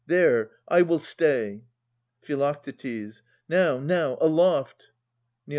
There, I will stay. Phi. Now, now, aloft ! Neo.